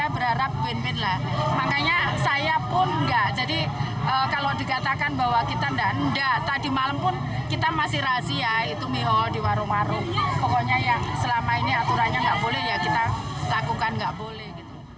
bukan tidak boleh